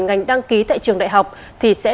ngành đăng ký tại trường đại học thì sẽ